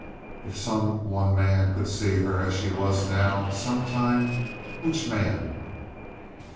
If some one man could see her as she was now, some time! Which man?